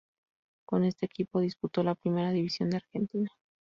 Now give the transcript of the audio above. Con este equipo disputó la Primera División de Argentina.